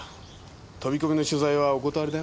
飛び込みの取材はお断りだよ。